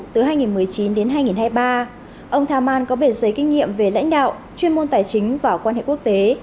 từ hai nghìn một mươi chín đến hai nghìn hai mươi ba ông thamman có bể giấy kinh nghiệm về lãnh đạo chuyên môn tài chính và quan hệ quốc tế